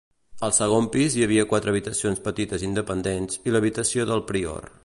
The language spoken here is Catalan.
Al segon pis hi havia quatre habitacions petites independents i l'habitació del prior.